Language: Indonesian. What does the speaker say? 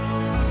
lah ty rt